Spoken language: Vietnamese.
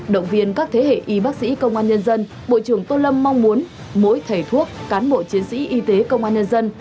động viên các thế hệ y bác sĩ công an nhân dân bộ trưởng tô lâm mong muốn mỗi thầy thuốc cán bộ chiến sĩ y tế công an nhân dân